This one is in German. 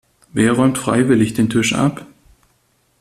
Wer räumt freiwillig den Tisch ab?